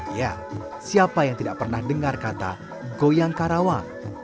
ya siapa yang tidak pernah dengar kata goyang karawang